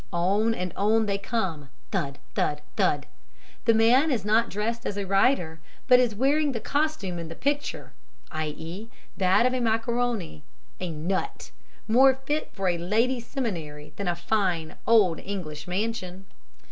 On and on they come, thud, thud, thud! The man is not dressed as a rider, but is wearing the costume in the picture i.e. that of a macaroni! A nut! More fit for a lady's seminary than a fine, old English mansion.